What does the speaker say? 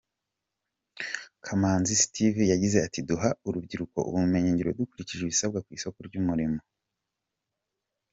Kamanzi Steve yagize ati :’’ Duha urubyiruko ubumenyi ngiro dukurikije ibisabwa ku isoko ry’umurimo.